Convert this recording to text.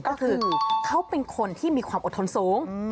ก็คือเขาเป็นคนที่มีความอดทนสูง